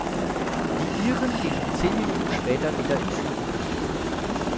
Die Iren gingen zehn Minuten später wieder in Führung.